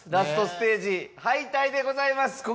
ＬＡＳＴステージ敗退でございます。